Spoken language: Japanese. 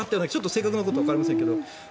正確なことはわかりませんが。